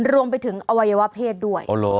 รวมไปถึงอวัยวะเพศด้วย